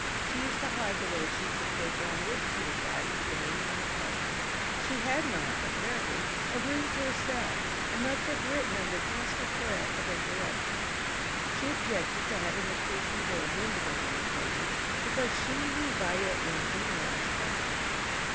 She used to hide the little sheets of paper on which she was writing when any one approached. She had not, apparently, a room to herself, and must have written under constant threat of interruption. She objected to having a creaking door mended on one occasion, because she knew by it when any one was coming.